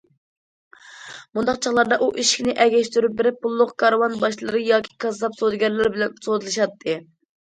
مۇنداق چاغلاردا ئۇ ئېشىكىنى ئەگەشتۈرۈپ بېرىپ، پۇللۇق كارۋان باشلىرى ياكى كاززاپ سودىگەرلەر بىلەن سودىلىشاتتى.